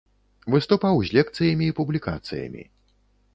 Выступаў з лекцыямі і публікацыямі.